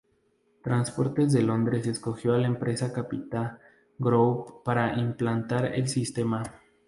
Transportes de Londres escogió a la empresa Capita Group para implantar el sistema.